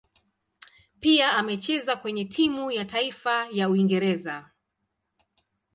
Pia amecheza kwenye timu ya taifa ya Uingereza.